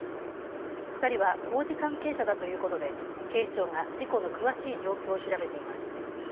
２人は工事関係者だということで警視庁が事故の詳しい状況を調べています。